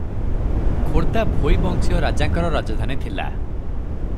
ଖୋର୍ଦା ଭୋଇବଂଶୀୟ ରାଜାଙ୍କର ରାଜଧାନୀ ଥିଲା ।